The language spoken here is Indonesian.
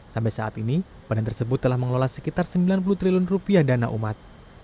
sampai saat ini badan tersebut telah mengelola sekitar sembilan puluh triliun rupiah dana umat